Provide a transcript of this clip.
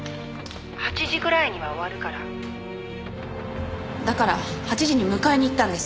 ８時ぐらいには終わるから」だから８時に迎えに行ったんです。